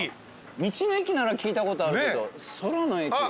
道の駅なら聞いたことあるけど空の駅。